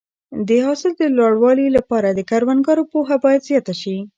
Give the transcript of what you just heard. د حاصل د لوړوالي لپاره د کروندګرو پوهه باید زیاته شي.